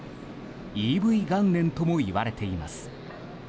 ＥＶ元年ともいわれています。